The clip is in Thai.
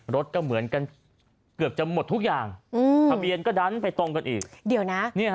รถก็เหมือนกันเกือบจะหมดทุกอย่างทะเบียนก็ดันไปตรงกันอีกเดี๋ยวนะ